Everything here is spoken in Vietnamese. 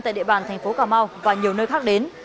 tại địa bàn thành phố cà mau và nhiều nơi khác đến